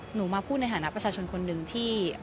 หนูมาพูดในฐานะประชาชนคนหนึ่งที่